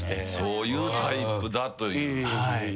そういうタイプだという。